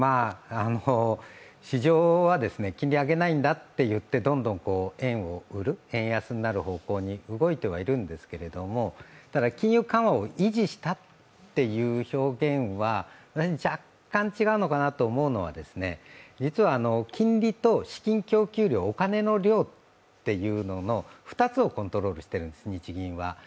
市場は金利を上げないんだといってどんどん円を売る、円安になる方向に動いてはいるんですけど、ただ金融緩和を維持したっていう表現は、若干違うのかなと思うのは、実は、金利と資金供給量お金の量っていうのの、２つをコントロールしてるんです、日銀は。